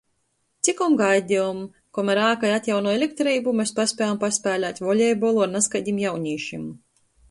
Cikom gaidejom, komer ākai atjaunoj elektreibu, mes paspējom paspēlēt volejbolu ar nazkaidim jaunīšim.